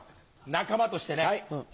仲間としてね。